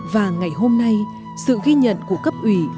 và ngày hôm nay sự ghi nhận của cấp ủy